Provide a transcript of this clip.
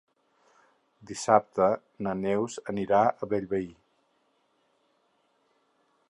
Dissabte na Neus anirà a Bellvei.